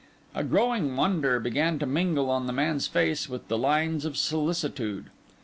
A growing wonder began to mingle on the man's face with the lines of solicitude.